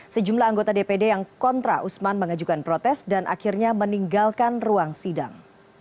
sejumlah anggota dpd yang kontra usman mengajukan protes dan akhirnya meninggalkan ruang sidang